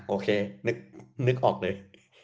โอเคนึกออกเลย